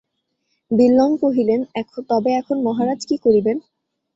বিল্বন কহিলেন, তবে এখন মহারাজ কী করিবেন?